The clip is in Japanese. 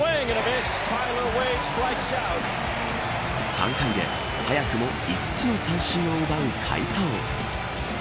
３回で早くも５つの三振を奪う快投。